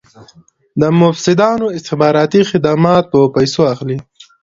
د مفسدانو استخباراتي خدمات په پیسو اخلي.